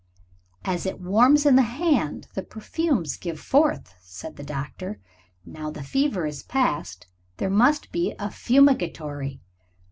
"As it warms in the hand the perfumes give forth," said the doctor. "Now the fever is past there must be a fumigatory.